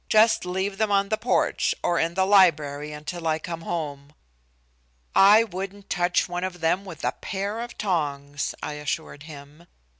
Just leave them on the porch, or in the library until I come home." "I wouldn't touch one of them with a pair of tongs," I assured him.